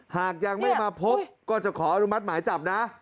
หากยังไม่มาพบก็จะขออนุมัติหมายจับนะ